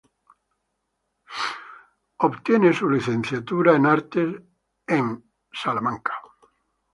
Obtiene su Bachelor of Arts en Oxford.